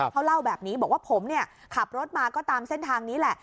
เขาเล่าแบบนี้บอกว่าผมเนี่ยขับรถมาก็ตามเส้นทางนี้แหละ